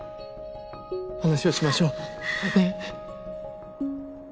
話をしましょうねぇ？